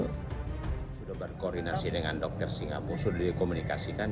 sudah berkoordinasi dengan dokter singapura sudah dikomunikasikan